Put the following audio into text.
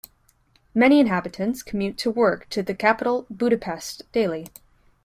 Many inhabitants commute to work to the capital Budapest daily.